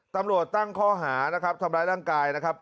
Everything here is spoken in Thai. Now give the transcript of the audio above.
ตำรวจตั้งข้อหานะครับทำร้ายร่างกายนะครับ